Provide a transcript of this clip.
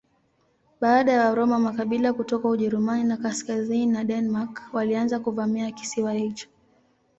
Baada ya Waroma makabila kutoka Ujerumani ya kaskazini na Denmark walianza kuvamia kisiwa hicho.